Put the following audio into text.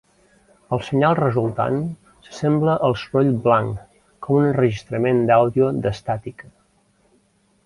El senyal resultant s'assembla al soroll blanc, com un enregistrament d'àudio d'"estàtica".